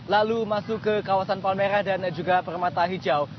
lalu masuk ke kawasan palmerah dan juga permata hijau